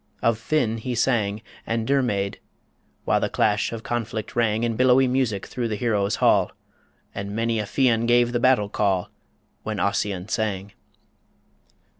Of Finn he sang, And Dermaid, while the clash of conflict rang In billowy music through the heroes' hall And many a Fian gave the battle call When Ossian sang.